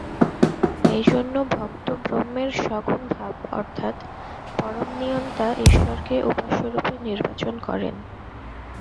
এইজন্য ভক্ত ব্রহ্মের সগুণ ভাব অর্থাৎ পরমনিয়ন্তা ঈশ্বরকে উপাস্যরূপে নির্বাচন করেন।